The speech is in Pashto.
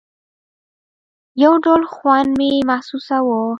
يو ډول خوند مې محسوساوه.